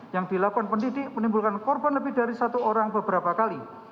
yang dilakukan pendidik menimbulkan korban lebih dari satu orang beberapa kali